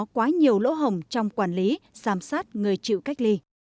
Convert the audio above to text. có quá nhiều lỗ hồng trong quản lý giám sát người chịu cách ly